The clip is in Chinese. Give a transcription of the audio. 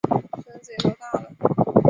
孙子也都大了